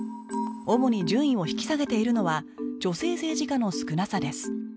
主に順位を引き下げているのは女性政治家の少なさです